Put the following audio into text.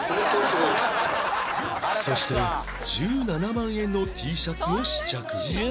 そして１７万円の Ｔ シャツを試着